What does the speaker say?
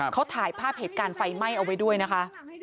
เขาถ่ายภาพเหตุการณ์ไฟไหม้เอาไว้ด้วยนะคะ